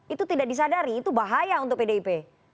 itu tidak disadari itu bahaya untuk pdip